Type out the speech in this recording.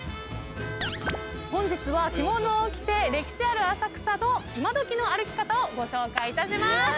本日は着物を着て歴史ある浅草のイマドキの歩き方をご紹介いたします。